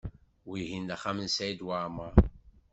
Wihin d axxam n Saɛid Waɛmaṛ.